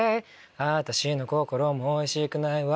あたしの心もおいしくないわ